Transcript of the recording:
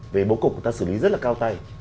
về bố cục người ta xử lý rất là cao tay